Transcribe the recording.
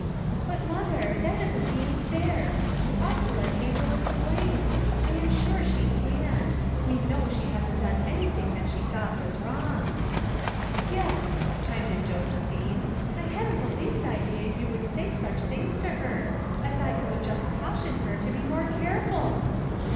"But, Mother, that isn't being fair; you ought to let Hazel explain ; I am sure she can ; we know that she hasn't done anything that she thought was w T rong." "Yes," chimed in Josephine, "I hadn't the least idea you would say such things to her; I thought you would just caution her to be more careful."